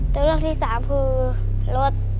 ตัวเลือกที่สามคือรถ